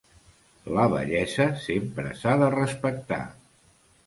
La vellesa sempre s'ha de respectar.